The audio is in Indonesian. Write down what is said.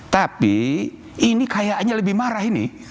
tapi ini kayaknya lebih marah ini